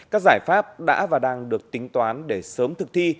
các giải pháp đã và đang được tính toán để sớm thực thi